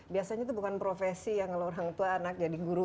biasanya itu bukan profesi yang kalau orang tua anak jadi guru